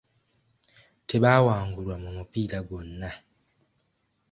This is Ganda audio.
Tebaawangulwa mu mupiira gwonna.